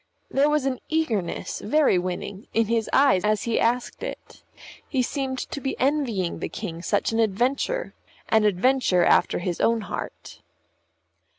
There was an eagerness, very winning, in his eyes as he asked it; he seemed to be envying the King such an adventure an adventure after his own heart.